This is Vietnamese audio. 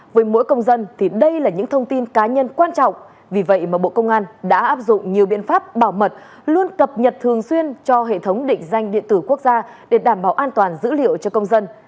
với mỗi công dân thì đây là những thông tin cá nhân quan trọng vì vậy mà bộ công an đã áp dụng nhiều biện pháp bảo mật luôn cập nhật thường xuyên cho hệ thống định danh điện tử quốc gia để đảm bảo an toàn dữ liệu cho công dân